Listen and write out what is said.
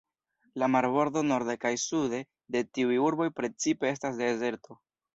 La marbordo norde kaj sude de tiuj urboj precipe estas dezerto.